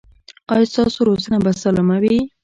ایا ستاسو روزنه به سالمه وي؟